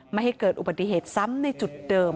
ไม่ให้เกิดอุบัติเหตุซ้ำในจุดเดิม